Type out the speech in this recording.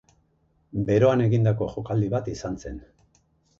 Beroan egindako jokaldi bat izan zen.